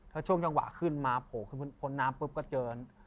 แล้วช่วงจังหวะขึ้นมาโผล่น้ำปุ๊บก็เจอ